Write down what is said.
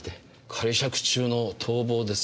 仮釈中の逃亡ですか。